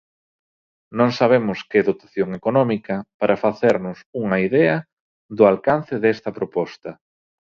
Non sabemos que dotación económica, para facernos unha idea do alcance desta proposta.